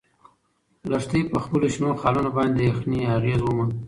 لښتې په خپلو شنو خالونو باندې د یخنۍ اغیز وموند.